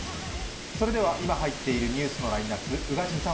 それでは今入っているニュースのラインナップ、宇賀神さん